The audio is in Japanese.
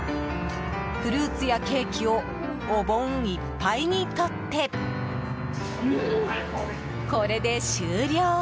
フルーツやケーキをお盆いっぱいに取ってこれで終了。